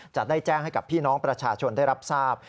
จะได้แจ้งให้กับพี่น้องประชาชนได้รับทราบ